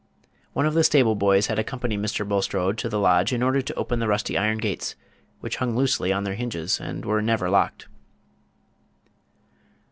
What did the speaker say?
One of the stable boys had accompanied Mr. Bulstrode to the lodge in order to open the rusty iron gates, which hung loosely on their hinges, and were never locked.